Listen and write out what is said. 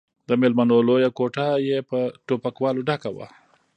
د ميلمنو لويه کوټه يې په ټوپکوالو ډکه وه.